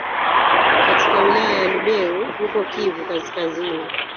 katika wilaya ya Lubero huko Kivu Kaskazini